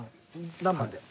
何番で？